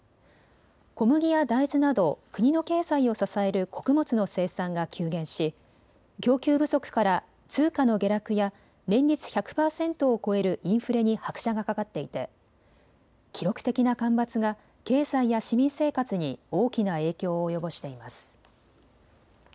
小麦や大豆など国の経済を支える穀物の生産が急減し供給不足から通貨の下落や年率１００％を超えるインフレに拍車がかかっていて記録的な干ばつが経済や市民生活に大きな影響を及ぼしています。